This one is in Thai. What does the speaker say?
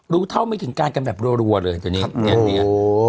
รู้เท่าไม่ถึงการกันแบบรัวแบบใช่ไหม